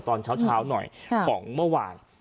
ตอนเช้าหน่อยของเมื่อวาน